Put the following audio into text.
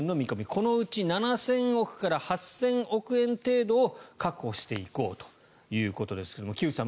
このうち７０００億から８０００億円程度を確保していこうということですが木内さん